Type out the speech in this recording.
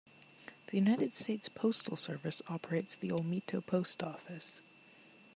The United States Postal Service operates the Olmito Post Office.